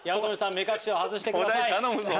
目隠しを外してください。